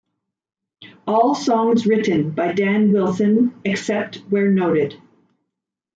All songs written by Dan Wilson, except where noted.